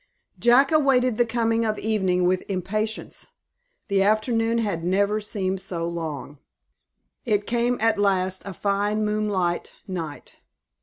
Jack awaited the coming of evening with impatience. The afternoon had never seemed so long. It came at last a fine moonlight night.